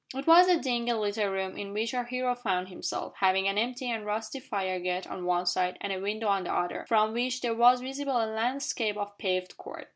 It was a dingy little room in which our hero found himself, having an empty and rusty fire grate on one side and a window on the other, from which there was visible a landscape of paved court.